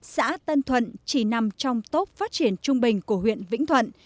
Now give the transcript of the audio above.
xã tân thuận chỉ nằm trong tốc phát triển trung bình của huyện vĩnh thuận